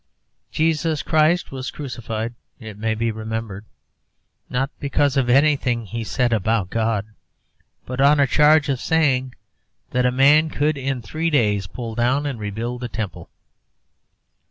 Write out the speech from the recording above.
Jesus Christ was crucified, it may be remembered, not because of anything he said about God, but on a charge of saying that a man could in three days pull down and rebuild the Temple.